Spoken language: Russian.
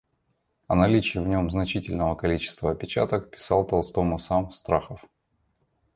О наличии в нем значительного количества опечаток писал Толстому сам Страхов.